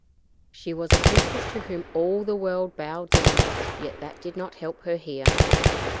She was a princess to whom all the world bowed down, yet that did not help her here.